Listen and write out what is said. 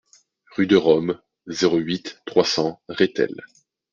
Rue de Rome, zéro huit, trois cents Rethel